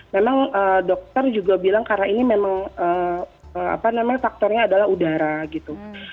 memang dokter juga bilang karena ini memang faktornya adalah udara gitu